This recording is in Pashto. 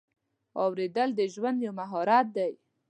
اورېدل د ژوند یو مهارت دی.